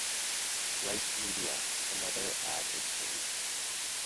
Right Media, another ad exchange.